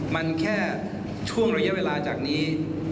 มันแค่ช่วงระยะเวลาจากนี้